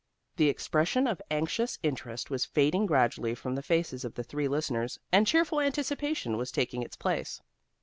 The expression of anxious interest was fading gradually from the faces of the three listeners, and cheerful anticipation was taking its place.